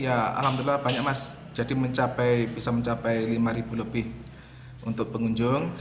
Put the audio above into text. ya alhamdulillah banyak mas jadi bisa mencapai lima lebih untuk pengunjung